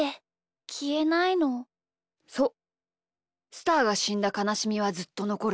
スターがしんだかなしみはずっとのこる。